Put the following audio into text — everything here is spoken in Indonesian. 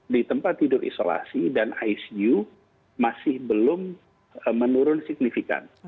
di tempat tidur isolasi dan icu masih belum menurun signifikan